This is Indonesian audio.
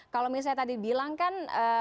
kalau misalnya tadi bilang kan